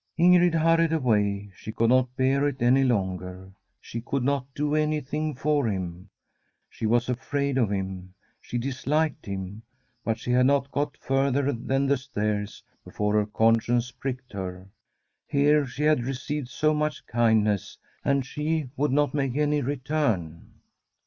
Ingrid hurried away. She could not bear it any longer. She could not do anything for him. She was afraid of him. She disliked him. But she had not got further than the stairs before her conscience pricked her. Here she had re ceived so much kindness, and she would not make any return.